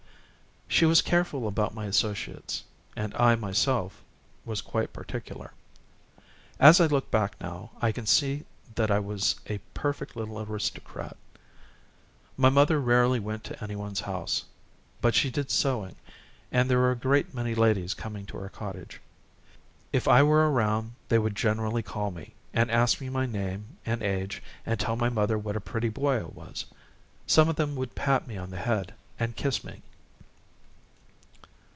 She was careful about my associates, and I myself was quite particular. As I look back now I can see that I was a perfect little aristocrat. My mother rarely went to anyone's house, but she did sewing, and there were a great many ladies coming to our cottage. If I was around they would generally call me, and ask me my name and age and tell my mother what a pretty boy I was. Some of them would pat me on the head and kiss me.